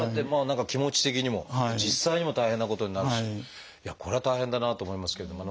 何か気持ち的にも実際にも大変なことになるしこれは大変だなと思いますけれども。